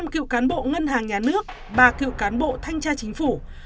một mươi năm cựu cán bộ ngân hàng nhà nước ba cựu cán bộ thanh tra chính phủ